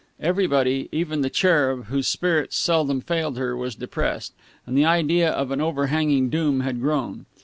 Everybody, even the Cherub, whose spirits seldom failed her, was depressed, and the idea of an overhanging doom had grown.